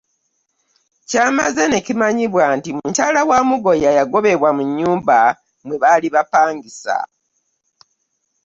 Kyamaze ne kimanyibwa nti mukyala wa Mugoya yagobebwa mu nnyumba mwe baali bapangisa.